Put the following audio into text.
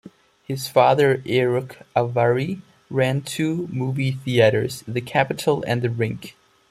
His father, Eruch Avari, ran two movie theatres, the Capitol and the Rink.